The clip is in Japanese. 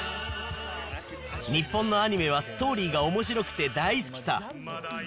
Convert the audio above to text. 日本のアニメはストーリーがおもしろくて大好きさ。